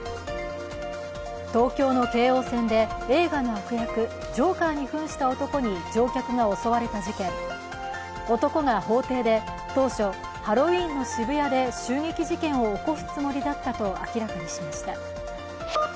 東京の京王線で映画の悪役ジョーカーにふんした男に乗客が襲われた事件、男が法廷で、当初、ハロウィーンの渋谷で襲撃事件を起こすつもりだったと明らかにしました。